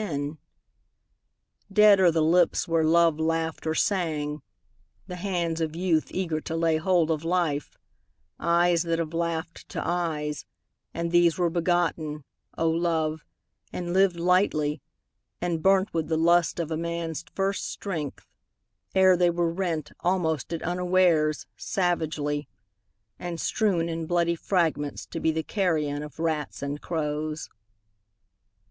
POETS MILITANT 271 Dead are the lips where love laughed or sang, The hands of youth eager to lay hold of life, Eyes that have laughed to eyes, And these were begotten, O Love, and lived lightly, and burnt With the lust of a man's first strength : ere they were rent, Almost at unawares, savagely ; and strewn In bloody fragments, to be the carrion Of rats and crows.